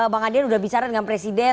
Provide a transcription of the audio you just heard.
bang adian sudah bicara dengan presiden